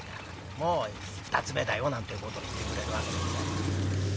もう二つ目だよ」なんてえことを言ってくれるわけでございますけれど。